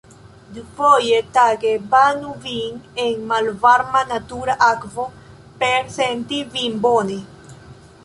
Dufoje tage banu vin en malvarma natura akvo, por senti vin bone.